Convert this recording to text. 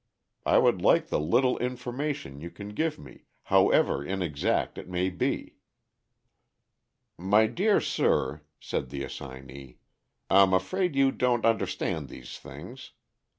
I would like the little information you can give me, however inexact it may be." "My dear sir," said the assignee, "I'm afraid you don't understand these things.